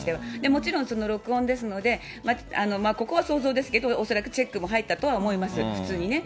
もちろん録音ですので、ここは想像ですけど、恐らくチェックも入ったとは思います、普通にね。